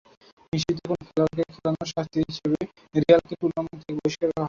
নিষিদ্ধ কোনো খেলোয়াড়কে খেলানোর শাস্তি হিসেবে রিয়ালকে টুর্নামেন্ট থেকে বহিষ্কার করা হয়।